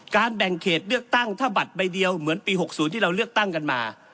แบ่งเขตเลือกตั้งถ้าบัตรใบเดียวเหมือนปี๖๐ที่เราเลือกตั้งกันมา